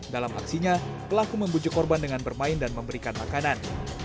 dalam aksinya pelaku membujuk korban dengan bermain dan memberikan makanan